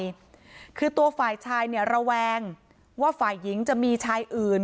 คือตัวฝ่ายชายเนี่ยระแวงว่าฝ่ายหญิงจะมีชายอื่น